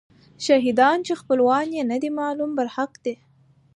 شهیدان چې خپلوان یې نه دي معلوم، برحق دي.